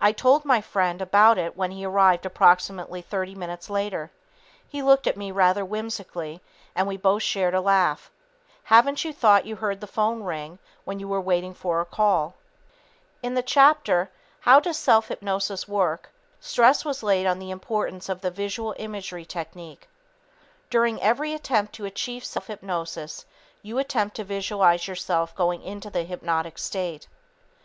I told my friend about it when he arrived approximately 30 minutes later. He looked at me rather whimsically, and we both shared a laugh. Haven't you thought you heard the phone ring when you were waiting for a call? In the chapter, "How Does Self Hypnosis Work," stress was laid on the importance of the visual imagery technique. During every attempt to achieve self hypnosis, you attempt to visualize yourself going into the hypnotic state.